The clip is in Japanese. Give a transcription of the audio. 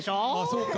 そうか。